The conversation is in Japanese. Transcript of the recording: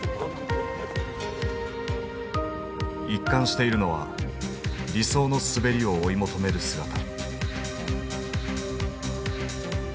一貫しているのは理想の滑りを追い求める姿。